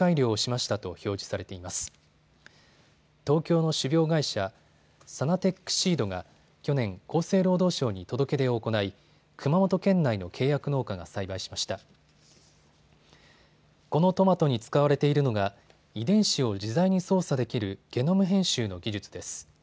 このトマトに使われているのが遺伝子を自在に操作できるゲノム編集の技術です。